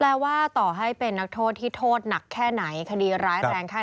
แปลว่าต่อให้เป็นนักโทษที่โทษหนักแค่ไหนคดีร้ายแรงแค่